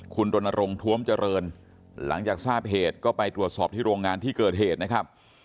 คุณรณรงค์ทวมเจริญหลังจากทราบเหตุก็ไปตรวจสอบที่โรงงานที่เกิดเหตุนะครับ